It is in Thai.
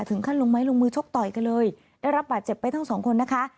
ถึงขั้นลงไม้ลงมือชกต่อยกันเลยได้รับบาดเจ็บไปทั้งสองคนนะคะ